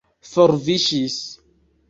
forviŝis